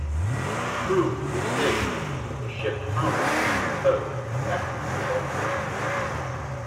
The crew were saved, but the ship foundered under tow back to Gibraltar.